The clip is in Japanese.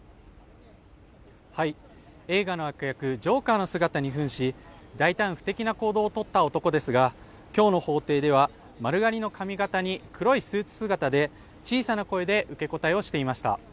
映画の悪役ジョーカーの姿に扮し大胆不敵な行動をとった男ですが今日の法廷では、丸刈りの髪型に黒いスーツ姿で、小さな声で受け答えをしていました。